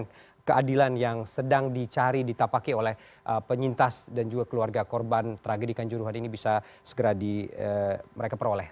dan keadilan yang sedang dicari ditapaki oleh penyintas dan juga keluarga korban tragedi kanjuruhan ini bisa segera mereka peroleh